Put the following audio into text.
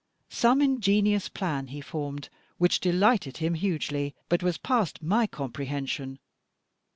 Some ingenious plan he formed, which delighted him hugely, but was past my comprehension.